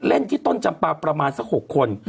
เล่นที่ต้นจำปลาประมาณสัก๖คน